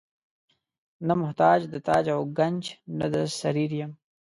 نه محتاج د تاج او ګنج نه د سریر یم.